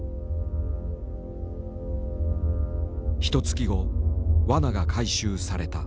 ひとつき後わなが回収された。